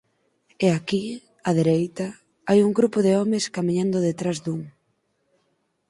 E aquí, á dereita, hai un grupo de homes camiñando detrás dun.